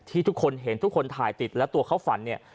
ทุกคนเห็นทุกคนถ่ายติดแล้วตัวเขาฝันเนี่ย